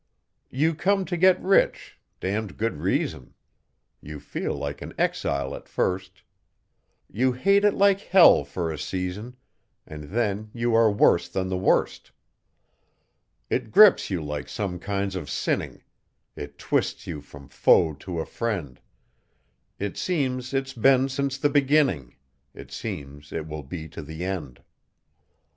You come to get rich (damned good reason); You feel like an exile at first; You hate it like hell for a season, And then you are worse than the worst. It grips you like some kinds of sinning; It twists you from foe to a friend; It seems it's been since the beginning; It seems it will be to the end.